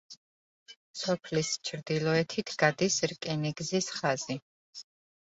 სოფლის ჩრდილოეთით გადის რკინიგზის ხაზი.